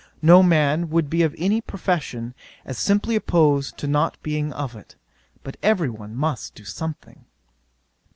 No man would be of any profession, as simply opposed to not being of it: but every one must do something.